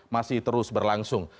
masih terus berlangsung